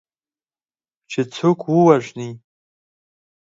چې څوک ووژني